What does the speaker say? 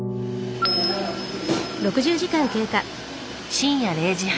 深夜０時半。